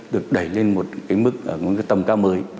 được đẩy lên một mức tầm cao mới